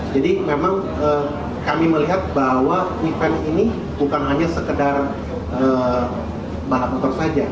jadi memang kami melihat bahwa event ini bukan hanya sekedar balap motor saja